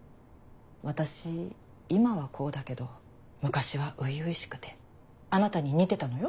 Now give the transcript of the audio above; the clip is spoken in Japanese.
私今はこうだけど昔は初々しくてあなたに似てたのよ。